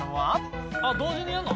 あ同時にやるの？